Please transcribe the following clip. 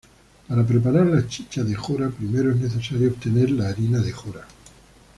Para preparar la chicha de jora primero es necesario obtener la harina de jora.